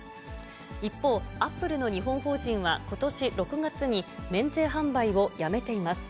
一方、アップルの日本法人はことし６月に免税販売をやめています。